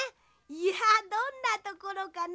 いやどんなところかな？